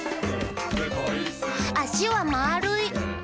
「あしはまるい！」